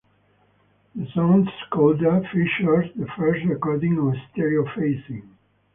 The song's coda features the first recording of stereo phasing.